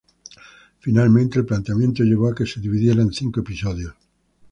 Finalmente, el planteamiento llevó a que se dividiera en cinco episodios.